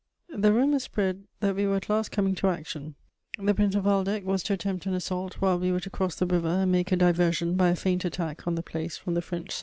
The rumour spread that we were at last coming to action; the Prince of Waldeck was to attempt an assault while we were to cross the river and make a diversion by a feint attack on the place from the French side.